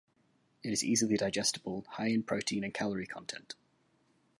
It is easily digestible, high in protein and calorie content.